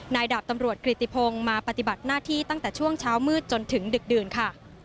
ดาบตำรวจกริติพงศ์มาปฏิบัติหน้าที่ตั้งแต่ช่วงเช้ามืดจนถึงดึกดื่นค่ะ